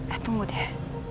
eh tunggu deh